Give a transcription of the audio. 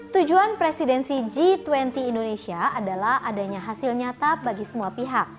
tujuan presidensi g dua puluh indonesia adalah adanya hasil nyata bagi semua pihak